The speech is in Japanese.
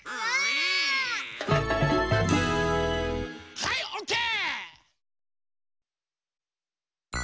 はいオッケー！